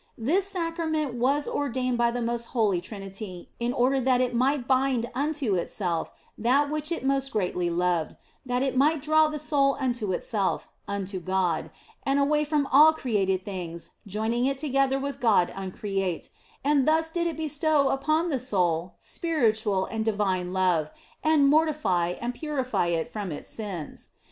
This Sacrament was ordained by the most holy Trinity in order that It might bind unto Itself that which It most greatly loved, that It might draw the soul unto Itself, unto God, and away from all created things joining it together with God uncreate ; and thus did It bestow upon the soul spiritual and divine love and mortify and purify it from its sins.